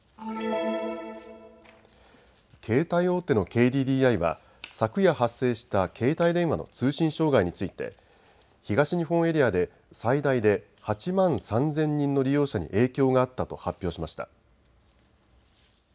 携帯大手のＫＤＤＩは昨夜、発生した携帯電話の通信障害について東日本エリアで最大で８万３０００人の利用者に影響があったと発表しました。